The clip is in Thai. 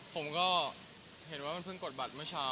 ผมก็เห็นว่ามันเพิ่งกดบัตรเมื่อเช้า